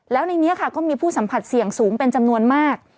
แล้วในนี้ค่ะก็มีผู้สัมผัสเสี่ยงสูงเป็นจำนวนมาก